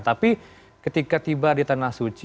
tapi ketika tiba di tanah suci